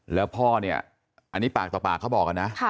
แล้วพ่อเนี่ยอันนี้ปากต่อปากเขาบอกนะ